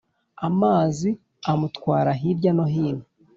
amazi amutwara hirya no hino